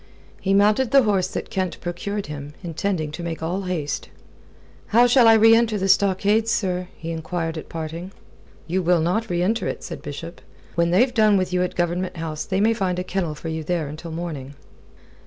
He mounted the horse that Kent procured him, intending to make all haste. "How shall I reenter the stockade, sir?" he enquired at parting. "You'll not reenter it," said Bishop. "When they've done with you at Government House, they may find a kennel for you there until morning."